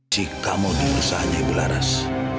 jika mau diusahanya ibu laras